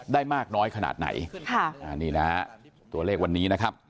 ได้มากน้อยขนาดไหนค่ะอ่านี่นะฮะตัวเลขวันนี้นะครับ